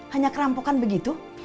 hanya kerampokan begitu